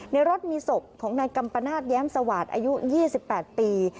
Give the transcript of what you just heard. ในรถมีศพของนายกัมปนาศแย้มสวาดอายุ๒๘ปี